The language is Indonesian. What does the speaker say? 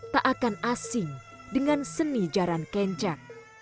tak akan asing dengan seni jaran kencak